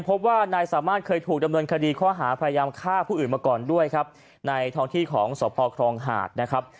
พยายามฆ่าผู้อื่นมาก่อนด้วยครับในท้องที่ของสพครองหาดนะครับ